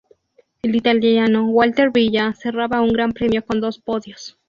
El italiano Walter Villa cerraba un Gran Premio con dos podios.